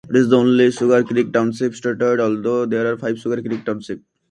It is the only Sugarcreek Township statewide, although there are five Sugar Creek Townships.